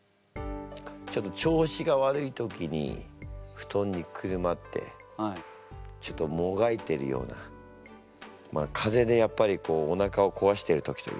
ちょっと調子が悪い時にふとんにくるまってちょっともがいてるような風邪でやっぱりこうおなかをこわしている時というか。